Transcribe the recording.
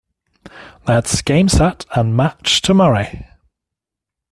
That's Game Set and Match to Murray